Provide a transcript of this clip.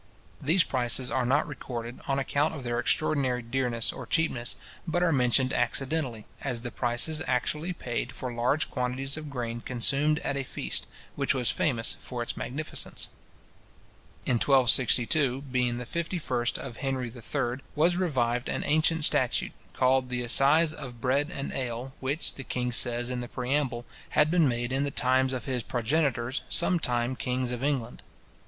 These prices are not recorded, on account of their extraordinary dearness or cheapness, but are mentioned accidentally, as the prices actually paid for large quantities of grain consumed at a feast, which was famous for its magnificence. In 1262, being the 51st of Henry III. was revived an ancient statute, called the assize of bread and ale, which, the king says in the preamble, had been made in the times of his progenitors, some time kings of England.